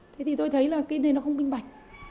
thế thì tôi thấy là cái này nó không minh bạch